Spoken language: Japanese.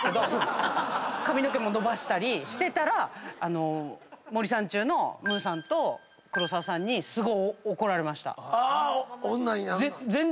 髪の毛も伸ばしたりしてたら森三中のムーさんと黒沢さんにすごい。